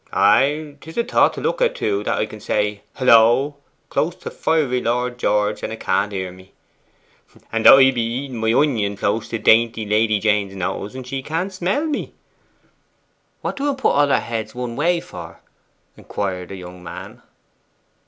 'Ay, 'tis a thought to look at, too, that I can say "Hullo!" close to fiery Lord George, and 'a can't hear me.' 'And that I be eating my onion close to dainty Lady Jane's nose, and she can't smell me.' 'What do 'em put all their heads one way for?' inquired a young man.